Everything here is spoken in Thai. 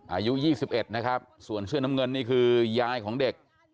อายุ๒๑นะครับส่วนเสื้อน้ำเงินนี่คือยายของเด็ก